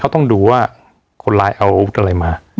เขาต้องดูว่าคนร้ายเอาอะไรมา